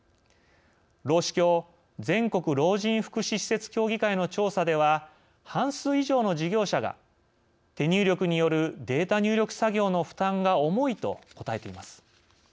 老施協＝全国老人福祉施設協議会の調査では、半数以上の事業者が「手入力によるデータ入力作業の負担が重い」と答えています。